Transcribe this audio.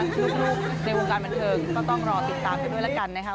คือลูกในวงการบันเทิงก็ต้องรอติดตามกันด้วยละกันนะคะ